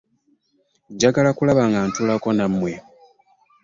Njagala kulaba nga ntuulako nammwe.